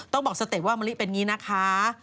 ต้องบอกสเต็ปว่ามะลิเป็นอย่างนี้นะคะ